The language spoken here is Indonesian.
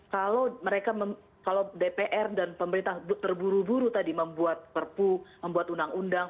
kalau mereka kalau dpr dan pemerintah terburu buru tadi membuat perpu membuat undang undang